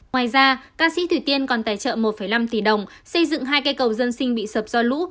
ngoài ra ca sĩ thủy tiên còn tài trợ một năm tỷ đồng xây dựng hai cây cầu dân sinh bị sập do lũ